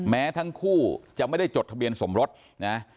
แม้ทั้งคู่จะไม่ได้จดทะเบียนสมรสนะ